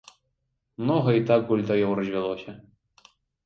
Многа і так гультаёў развялося!